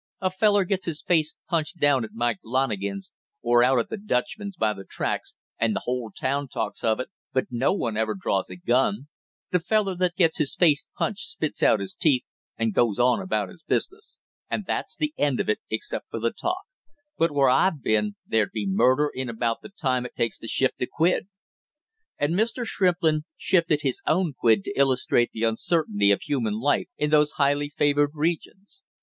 A feller gets his face punched down at Mike Lonigan's or out at the Dutchman's by the tracks, and the whole town talks of it, but no one ever draws a gun; the feller that gets his face punched spits out his teeth and goes on about his business, and that's the end of it except for the talk; but where I've been there'd be murder in about the time it takes to shift a quid!" And Mr. Shrimplin shifted his own quid to illustrate the uncertainty of human life in those highly favored regions.